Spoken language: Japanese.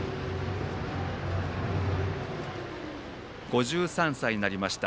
５３歳になりました。